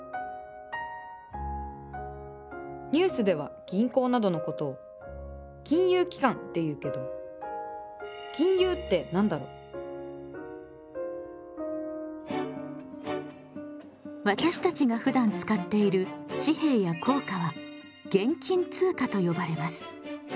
ニュースでは銀行などのことを金融機関っていうけど私たちがふだん使っている紙幣や硬貨は現金通貨と呼ばれます。